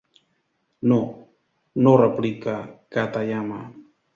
No, no —replica Katayama—.